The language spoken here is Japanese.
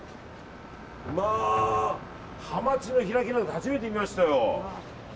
まあ、ハマチの開きなんて初めて見ましたよ。